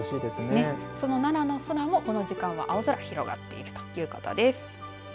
奈良の空もこの時間は青空、広がっているということです。